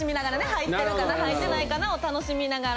入ってるかな入ってないかなを楽しみながら。